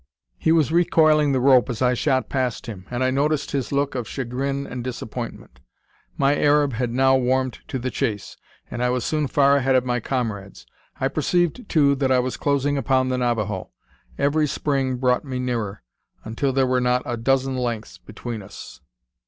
He was recoiling the rope as I shot past him, and I noticed his look of chagrin and disappointment. My Arab had now warmed to the chase, and I was soon far ahead of my comrades. I perceived, too, that I was closing upon the Navajo. Every spring brought me nearer, until there were not a dozen lengths between us.